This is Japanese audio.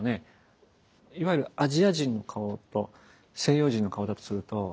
いわゆるアジア人の顔と西洋人の顔だとすると。